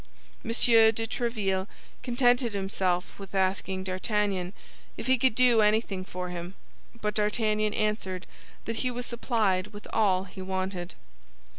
M. de Tréville contented himself with asking D'Artagnan if he could do anything for him, but D'Artagnan answered that he was supplied with all he wanted.